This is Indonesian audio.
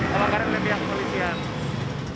kalau tidak oleh pihak kepolisian